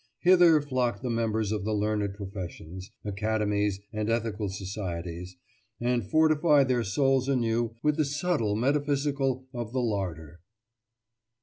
Hither flock the members of the learned professions, academies, and ethical societies, and fortify their souls anew with this subtle metaphysic of the larder.